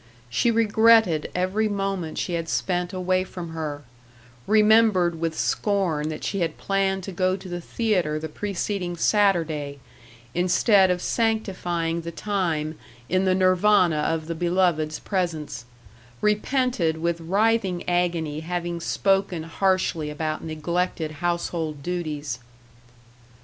She regretted every moment she had spent away from her remembered with scorn that she had planned to go to the theater the preceding Saturday, instead of sanctifying the time in the Nirvana of the beloved's presence; repented with writhing agony having spoken harshly about neglected household duties.